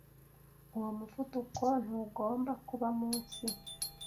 Uwo muvuduko ntugomba kuba munsi